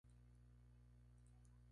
Georgen, ciudad de la Selva Negra.